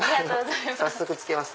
早速着けます。